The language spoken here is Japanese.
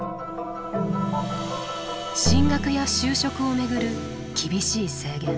進学や就職を巡る厳しい制限。